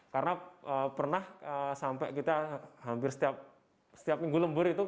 karena pernah sampai kita hampir setiap minggu lembur